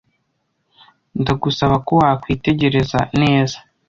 Ndagusaba ko wakwitegereza neza